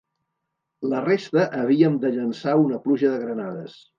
La resta havíem de llançar una pluja de granades